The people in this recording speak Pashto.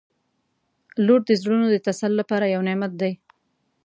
• لور د زړونو د تسل لپاره یو نعمت دی.